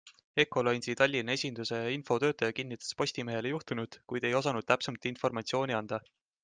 Ecolines'i Tallinna esinduse infotöötaja kinnitas Postimehele juhtunut, kuid ei osanud täpsemat informatsiooni anda.